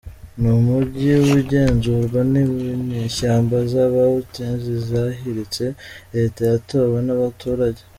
Ni umujyi ugenzurwa n’inyeshyamba z’Aba-Houthis zahiritse leta yatowe n’abaturage.